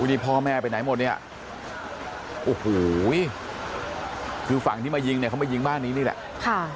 นี่พ่อแม่ไปไหนหมดเนี่ยโอ้โหคือฝั่งที่มายิงเนี่ยเขามายิงบ้านนี้นี่แหละค่ะ